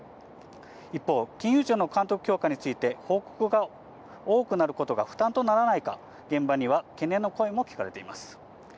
一方、金融庁の監督強化について、報告が多くなることが負担とならないか、現場には懸念の声も聞かれています。